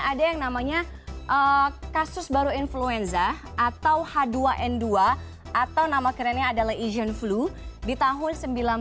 ada yang namanya kasus baru influenza atau h dua n dua atau nama kerennya adalah asian flu di tahun seribu sembilan ratus sembilan puluh